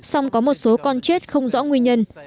song có một số con chết không rõ nguyên nhân